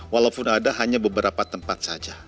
walaupun ada hanya beberapa tempat saja